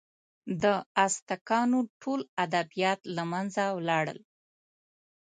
د ازتکانو ټول ادبیات له منځه ولاړل.